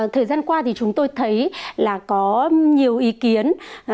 thời gian qua thì chúng tôi thấy là có nhiều ý kiến